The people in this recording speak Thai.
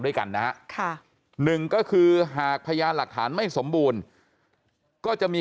ด้วยกันนะฮะค่ะหนึ่งก็คือหากพยานหลักฐานไม่สมบูรณ์ก็จะมี